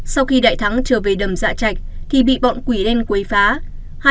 sau khi đại thắng trở về đầm dạ trạch thì bị bọn quỷ đen quấy phá